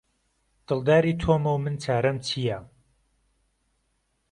دڵداری تۆمە و من چارەم چیە؟